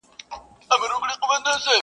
د دېوال شا ته پراته دي څو غيرانه.!